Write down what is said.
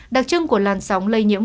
đặc trưng của làn sóng lây nhiễm